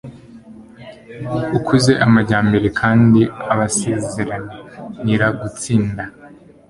ukuze amajyambere kandi abasezeranira gutsinda.